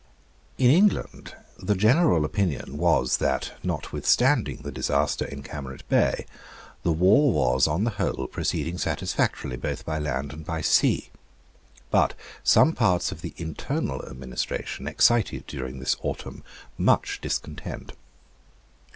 In England, the general opinion was that, notwithstanding the disaster in Camaret Bay, the war was on the whole proceeding satisfactorily both by land and by sea. But some parts of the internal administration excited, during this autumn, much discontent.